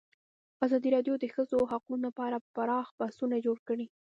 ازادي راډیو د د ښځو حقونه په اړه پراخ بحثونه جوړ کړي.